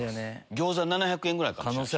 餃子７００円ぐらいかもしらん。